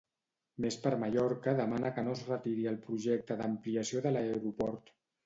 Més per Mallorca demana que no es retiri el projecte d'ampliació de l'aeroport.